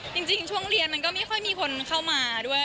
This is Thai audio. จริงช่วงเรียนมันก็ไม่ค่อยมีคนเข้ามาด้วย